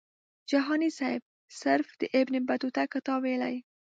جهاني سیب صرف د ابن بطوطه کتاب ویلی.